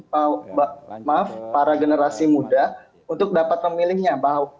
maaf para generasi muda untuk dapat memilihnya